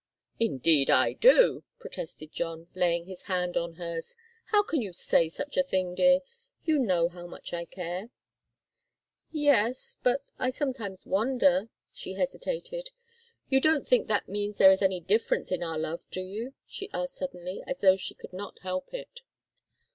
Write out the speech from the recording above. "Indeed I do!" protested John, laying his hand on hers. "How can you say such a thing, dear? You know how much I care!" "Yes but I sometimes wonder " She hesitated. "You don't think that means that there is any difference in our love, do you?" she asked suddenly, as though she could not help it.